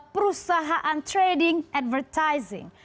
perusahaan trading advertising